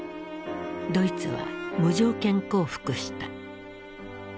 ドイツは無条件降伏した。